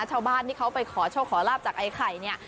ชาวบ้านที่เขาไปขอโชคขอลาบจากไอ้ไข่เนี่ย